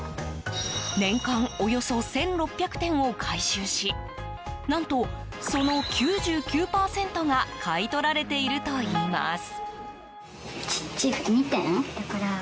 年間およそ１６００点を回収し何と、その９９％が買い取られているといいます。